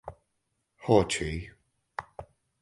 Hawtrey.